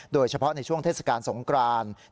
โดยเฉพาะในช่วงเทศกาลสงคราน